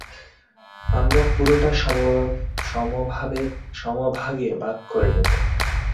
আমরা পুরোটা সমভাগে ভাগ করে নিবো।